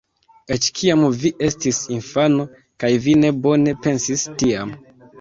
Eĉ kiam vi estis infano, kaj vi ne bone pensis tiam.